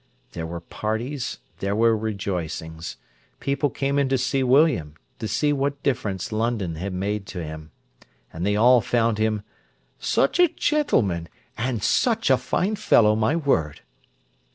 There were parties, there were rejoicings. People came in to see William, to see what difference London had made to him. And they all found him "such a gentleman, and such a fine fellow, my word!"